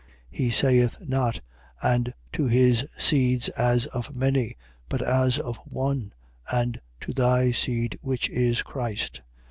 He saith not: And to his seeds as of many. But as of one: And to thy seed, which is Christ.